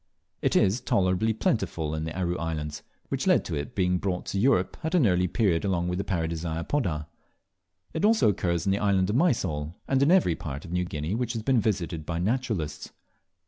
It is tolerably plentiful in the Aru Islands, which led to it, being brought to Europe at an early period along with Paradisea apoda. It also occurs in the island of Mysol and in every part of New Guinea which has been visited by naturalists.